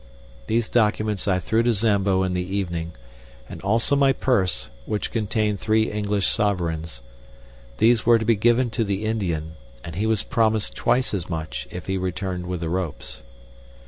These documents I threw to Zambo in the evening, and also my purse, which contained three English sovereigns. These were to be given to the Indian, and he was promised twice as much if he returned with the ropes.